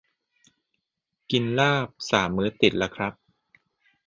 กินลาบสามมื้อติดละครับ